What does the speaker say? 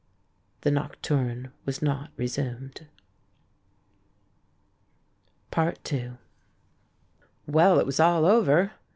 . The nocturne was not resumed. II Well, it was all over!